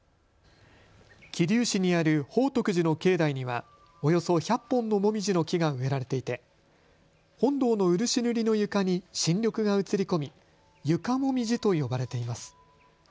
桐生市にある宝徳寺の境内にはおよそ１００本のもみじの木が植えられていて本堂の漆塗りの床に新緑が映り込み床もみじと呼ばれています。